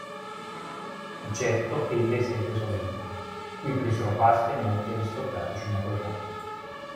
Di certo ebbe esequie solenni, cui presero parte molti aristocratici napoletani.